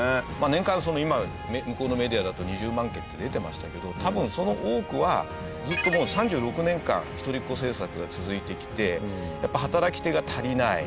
年間今向こうのメディアだと２０万件って出てましたけど多分その多くはずっと３６年間一人っ子政策が続いてきてやっぱ働き手が足りない。